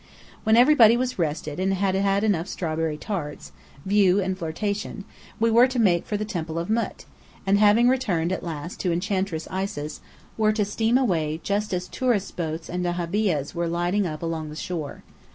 When everybody was rested and had had enough strawberry tarts, view and flirtation, we were to make for the Temple of Mût: and, having returned at last to the Enchantress Isis, were to steam away just as tourist boats and dahabeahs were lighting up along the shore.